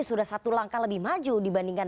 sudah satu langkah lebih maju dibandingkan